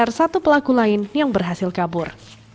ada satu pelaku lain yang berhasil kabur